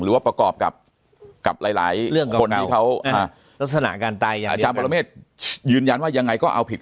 หรือว่าประกอบกับหลายคนที่เขาลักษณะการตายอย่างเดียว